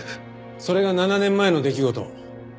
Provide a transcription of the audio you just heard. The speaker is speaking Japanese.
それが７年前の出来事。